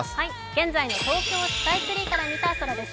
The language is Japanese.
現在の東京スカイツリーから見た空です。